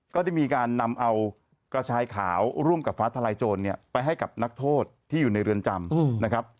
ก็ได้มีการนำเอากระชายขาวร่วมกับฟ้าทลายโจรเนี่ยไปให้กับนักโทษที่อยู่ในเรือนจำนะครับ